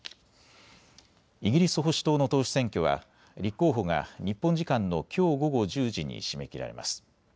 イギリス保守党の党首選挙は立候補が日本時間のきょう午後１０時に締め切られます。